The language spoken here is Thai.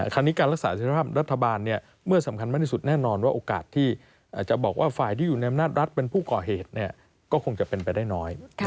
การรักษาสุขภาพรัฐบาลเมื่อสำคัญมากที่สุดแน่นอนว่าโอกาสที่จะบอกว่าฝ่ายที่อยู่ในอำนาจรัฐเป็นผู้ก่อเหตุก็คงจะเป็นไปได้น้อย